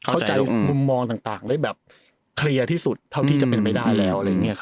เข้าใจมุมมองต่างได้แบบแคลียร์ที่สุดเท่าที่จะเป็นไปได้แล้ว